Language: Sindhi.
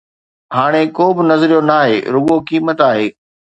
هاڻي ڪو به نظريو ناهي، رڳو قيمت آهي.